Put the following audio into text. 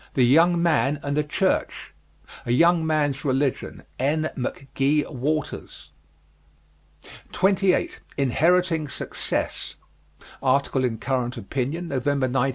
THE YOUNG MAN AND THE CHURCH. "A Young man's Religion," N. McGee Waters. 28. INHERITING SUCCESS. Article in Current Opinion, November, 1914.